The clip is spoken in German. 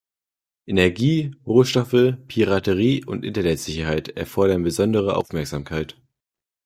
Energie, Rohstoffe, Piraterie und Internetsicherheit erfordern besondere Aufmerksamkeit.